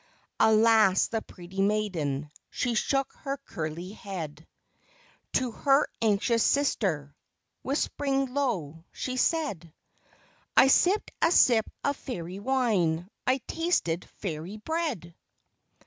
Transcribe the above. " Alas, the pretty maiden, She shook her curly head, To her anxious sister, Whisp'ring low, she said :" I sipped a sip of fairy wine, I tasted fairy bread